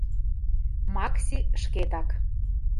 Макси шкэтак.